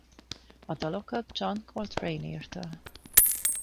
A dalokat John Coltrane írta.